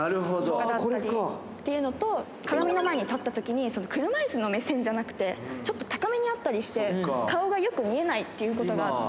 これか。というのと、鏡の前に立ったときに、その、車いすの目線じゃなくて、ちょっと高めにあったりして、顔がよく見えないってことがあって。